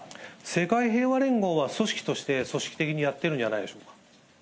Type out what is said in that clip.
世界平和連合は組織として、組織的にやってるんじゃないでしょうか。